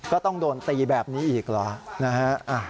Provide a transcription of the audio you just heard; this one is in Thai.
ก็ต้องโดนตีแบบนี้อีกเหรอนะฮะ